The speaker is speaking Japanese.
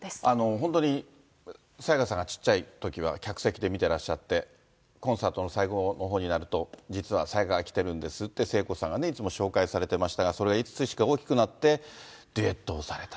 本当に沙也加さんがちっちゃいときは、客席で見てらっしゃって、コンサートの最後のほうになると、実は沙也加が来てるんですって、聖子さんがね、いつも紹介されてましたが、それがいつしか大きくなって、デュエットをされた。